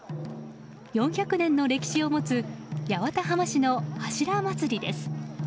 ４００年の歴史を持つ八幡浜市の柱祭りです。